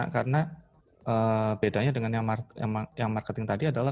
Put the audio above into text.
karena bedanya dengan yang marketing tadi adalah